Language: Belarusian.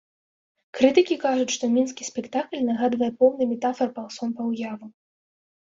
Крытыкі кажуць, што мінскі спектакль нагадвае поўны метафар паўсон-паўяву.